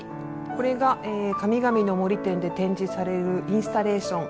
これが「かみがみの森」展で展示されるインスタレーション